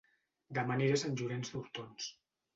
Dema aniré a Sant Llorenç d'Hortons